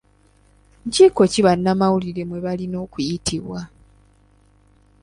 Nkiiko ki bannamawulire mwe balina okuyitibwa?